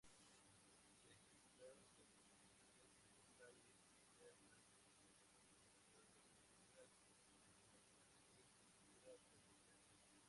Se ejecutaron demoliciones de calles internas, veredas, galpones e infraestructura ferroviaria.